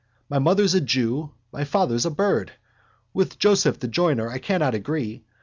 My mother's a jew, my father's a bird. With Joseph the joiner I cannot agree.